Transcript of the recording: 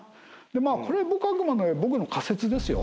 まあこれあくまで僕の仮説ですよ。